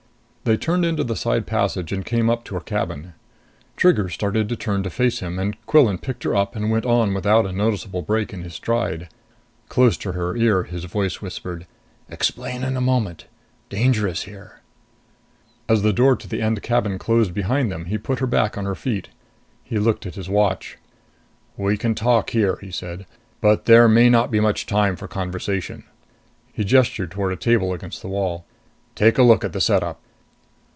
They turned into the side passage and came up to her cabin. Trigger started to turn to face him, and Quillan picked her up and went on without a noticeable break in his stride. Close to her ear, his voice whispered, "Explain in a moment! Dangerous here." As the door to the end cabin closed behind them, he put her back on her feet. He looked at his watch. "We can talk here," he said. "But there may not be much time for conversation." He gestured toward a table against the wall. "Take a look at the setup."